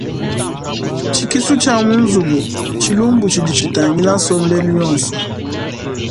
Tshikisu tshia mu nzubu ntshilumbu tshidi tshitangila nsombelu yonso.